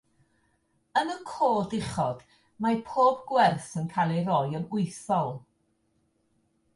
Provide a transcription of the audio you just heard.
Yn y cod uchod, mae pob gwerth yn cael ei roi yn wythol.